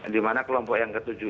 dimana kelompok yang ketujuh